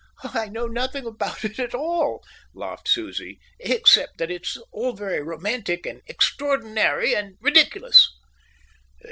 "I know nothing about it at all," laughed Susie, "except that it's all very romantic and extraordinary and ridiculous."